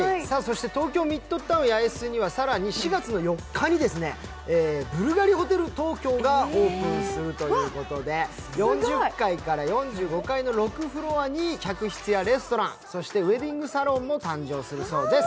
東京ミッドタウン八重洲には更に４月４日にブルガリホテル東京がオープンするということで４０階から４５階の６フロアに、客室やレストラン、そしてウエディングサロンも誕生するそうです。